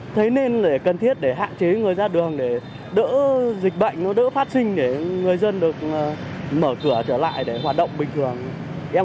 thấy nên để cần thiết để hạn chế người ra đường để đỡ dịch bệnh nó đỡ phát sinh để người dân được mở cửa trở lại để hoạt động bình thường